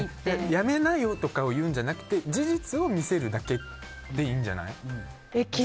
やめなよとかを言うんじゃなく事実を見せるだけでいいんじゃない？